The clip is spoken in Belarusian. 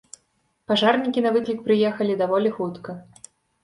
Пажарнікі на выклік прыехалі даволі хутка.